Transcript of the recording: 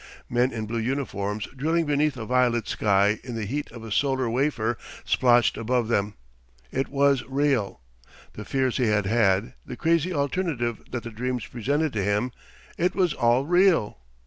Men in blue uniforms drilling beneath a violet sky in the heat of a solar wafer splotched above them. It was real! The fears he had had, the crazy alternative that the dreams presented to him ... it was all real.